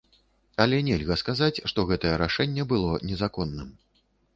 Але нельга сказаць, што гэтае рашэнне было незаконным.